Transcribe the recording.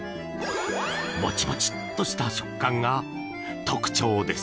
もちもちとした食感が特徴です。